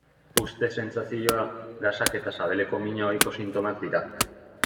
Puzte-sentsazioa, gasak eta sabeleko mina ohiko sintomak dira.